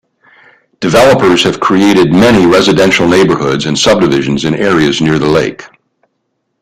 Developers have created many residential neighborhoods and subdivisions in areas near the lake.